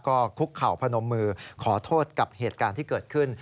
ก็คุกเข่าพนมมือขอโทษกับเหตุการณ์ที่เกิดขึ้น